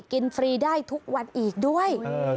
ฟรีได้ทุกวันอีกด้วย